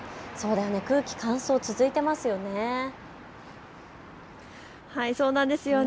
空気、乾燥続いてますよね。